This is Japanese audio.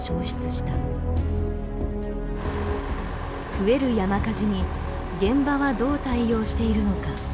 増える山火事に現場はどう対応しているのか。